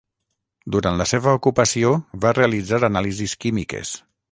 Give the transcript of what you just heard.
Durant la seva ocupació va realitzar anàlisis químiques.